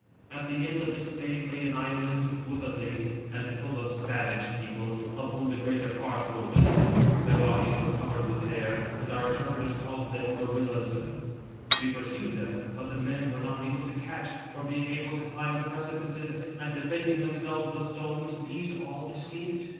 "At the end of this bay lay an island with a lake, and full of savage people, of whom the greater part were women. Their bodies were covered with hair, and our interpreters called them Gorillas. We pursued them ; but the men we were not able to catch, for being able to climb the precipices, and defending themselves with "stones, these all escaped.